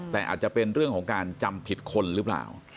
แต่อาจจะเป็นเรื่องของการจำผิดคนหรือเปล่า